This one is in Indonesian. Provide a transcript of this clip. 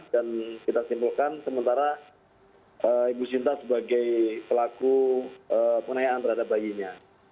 dan kita simpulkan sementara ibu sinta sebagai pelaku penayaan terhadap bayinya